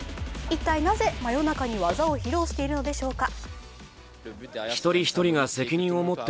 一体、なぜ真夜中に技を披露しているのでしょうか。